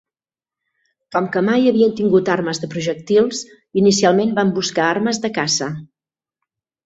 Com que mai havien tingut armes de projectils, inicialment van buscar armes de caça.